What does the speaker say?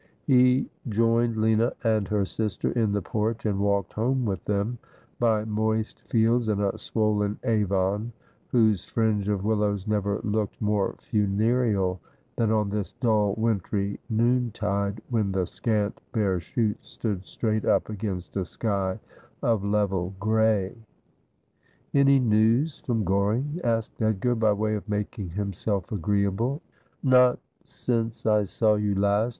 He joined Lina and her sister in the porch, and walked home with them by moist fields and a swollen Avon, whose fringe of willows never looked more funereal than on this dull wintry noontide, when the scant bare shoots stood straight up against a sky of level gray. ' Any news from Goring ?' asked Edgar, by way of making himself agreeable. ' Not since I saw you last.